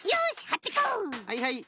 はいはい。